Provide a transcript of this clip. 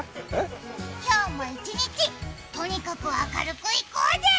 今日も一日、とにかく明るくいこうぜ！